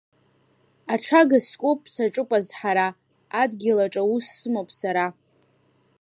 Аҽага скуп саҿуп азҳара, адгьылаҿ аус сымоуп сара.